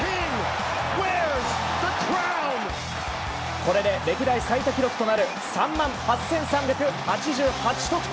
これで歴代最多記録となる３万８３３８得点。